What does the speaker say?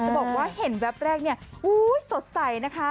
บอกว่าเห็นแวบแรกเนี่ยสดใสนะคะ